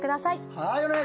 はい。